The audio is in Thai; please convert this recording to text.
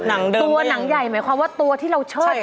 หนังเดิมก็ยังตัวหนังใหญ่หมายความว่าตัวที่เราเชิดกันนี่นะ